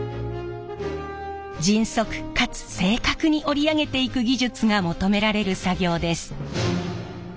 迅速かつ正確に織り上げていく技術が求められる作業です。